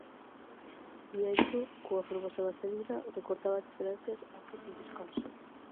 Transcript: Bieito, cunha fermosa vaselina, recortaba diferenzas antes do descanso.